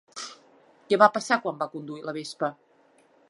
Què va passar quan va conduir la Vespa?